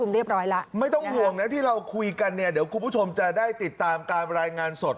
เราคุยกันเนี่ยเดี๋ยวคุณผู้ชมจะได้ติดตามการรายงานสด